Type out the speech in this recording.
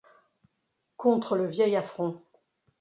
Contre le vieil affront ;